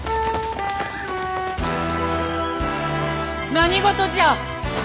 何事じゃ！